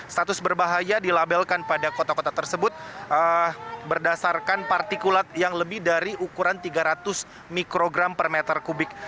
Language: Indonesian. status berbahaya dilabelkan pada kota kota tersebut berdasarkan partikulat yang lebih dari ukuran tiga ratus mikrogram per meter kubik